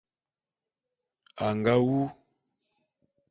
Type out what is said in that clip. A nga wu.